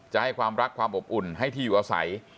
จะให้ความรักความอบอุ่นให้ที่อยู่อาศัย